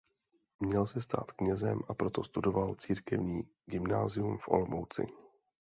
Měl se stát knězem a proto studoval církevní gymnázium v Olomouci.